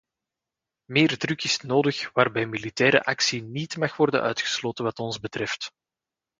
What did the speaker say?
Meer druk is nodig waarbij militaire actie niet mag worden uitgesloten wat ons betreft.